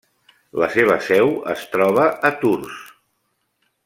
La seva seu es troba a Tours.